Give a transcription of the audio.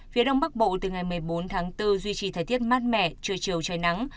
phía đông bắc bộ từ ngày một mươi bốn tháng bốn duy trì thời tiết mát mẻ trưa chiều trời nắng